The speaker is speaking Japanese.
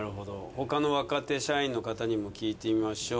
他の若手社員の方にも聞いてみましょう。